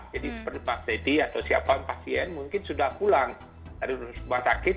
jadi seperti mbak teddy atau siapa yang pasien mungkin sudah pulang dari rumah sakit